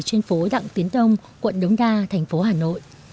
trên phố đặng tiến đông quận đống đa thành phố hà nội